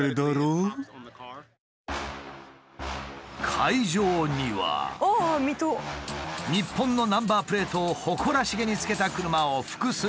会場には日本のナンバープレートを誇らしげにつけた車を複数発見！